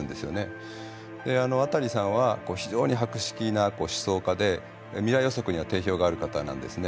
アタリさんは非常に博識な思想家で未来予測には定評がある方なんですね。